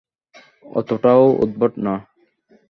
অতোটাও উদ্ভট না।